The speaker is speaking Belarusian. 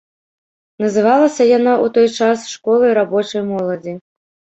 Называлася яна ў той час школай рабочай моладзі.